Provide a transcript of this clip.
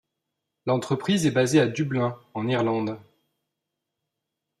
L'entreprise est basée à Dublin en Irlande.